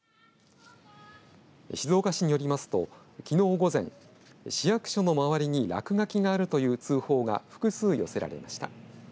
静岡市によりますときのう午前市役所の周りに落書きがあるという通報が複数寄せられました。